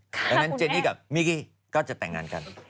ดังนั้นเจนี่กับมิกกี้ก็จะแต่งงานกัน